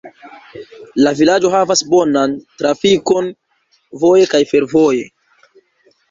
La vilaĝo havas bonan trafikon voje kaj fervoje.